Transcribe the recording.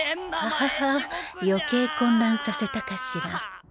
ハハハ余計混乱させたかしら